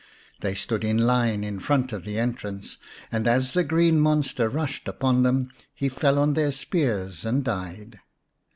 They stood in line in front of the entrance, and as the green monster rushed upon them he fell on their spears and died.